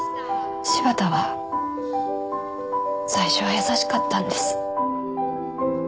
柴田は最初は優しかったんです。